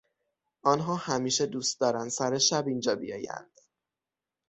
آنها همیشه دوست دارند سر شب اینجا بیایند.